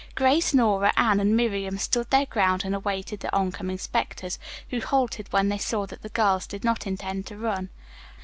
Grace, Nora, Anne and Miriam stood their ground and awaited the oncoming spectres, who halted when they saw that the girls did not intend to run.